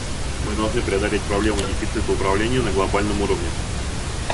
Мы должны преодолеть проблему дефицита управления на глобальном уровне.